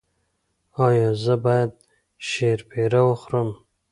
ایا زه باید شیرپیره وخورم؟